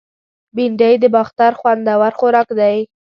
بېنډۍ د باختر خوندور خوراک دی